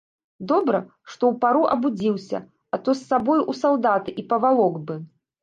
Добра, што ў пару абудзіўся, а то з сабой у салдаты і павалок бы.